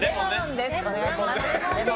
お願いします。